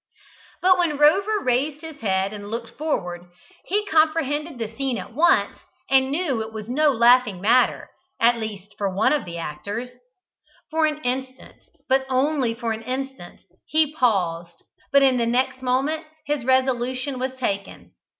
But when Rover raised his head and looked forward, he comprehended the scene at once, and knew that it was no laughing matter, at least for one of the actors. For an instant but only for an instant he paused, but in the next moment his resolution was taken.